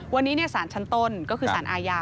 วันนี้สารชั้นต้นก็คือสารอาญา